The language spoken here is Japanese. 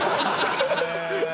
ハハハハ！